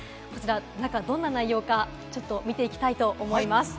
中はどんな内容か、ちょっと見ていきたいと思います。